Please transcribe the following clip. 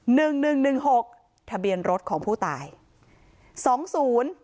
หนึ่งหนึ่งหนึ่งหกทะเบียนรถของผู้ตายสองศูนย์